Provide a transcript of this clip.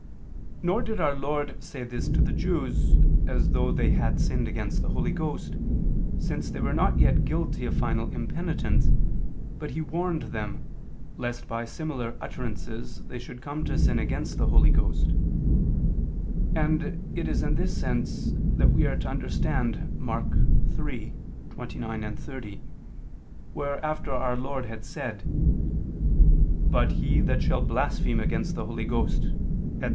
Nor did Our Lord say this to the Jews, as though they had sinned against the Holy Ghost, since they were not yet guilty of final impenitence, but He warned them, lest by similar utterances they should come to sin against the Holy Ghost: and it is in this sense that we are to understand Mark 3:29, 30, where after Our Lord had said: "But he that shall blaspheme against the Holy Ghost," etc.